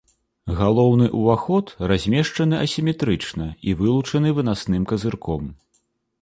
Галоўны ўваход размешчаны асіметрычна і вылучаны вынасным казырком.